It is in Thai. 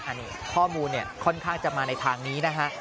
อันนี้ข้อมูลเนี่ยค่อนข้างจะมาในทางนี้นะฮะ